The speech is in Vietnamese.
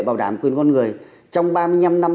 bảo đảm quyền con người trong ba mươi năm năm